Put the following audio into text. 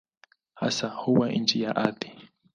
Hasa huwa chini ya ardhi.